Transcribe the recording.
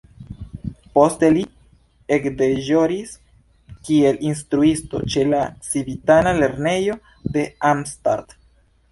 Poste li ekdeĵoris kiel instruisto ĉe la civitana lernejo de Arnstadt.